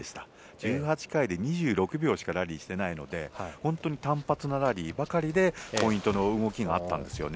１８回で２６秒しかラリーしてないので、単発ラリーばかりで、ポイントの動きがあったんですね。